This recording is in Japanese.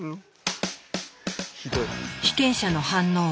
被験者の反応は。